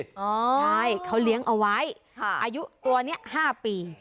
ใช่เขาเลี้ยงเอาไว้อายุตัวนี้๕ปี